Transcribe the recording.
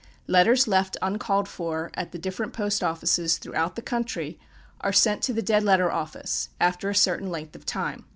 Letters left "uncalled for" at the different post offices throughout the country are sent to the Dead Letter Office, after a certain length of time.